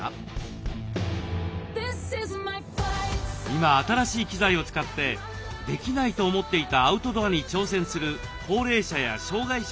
今新しい機材を使ってできないと思っていたアウトドアに挑戦する高齢者や障害者が増えています。